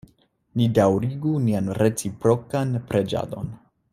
Ni daŭrigu nian reciprokan preĝadon.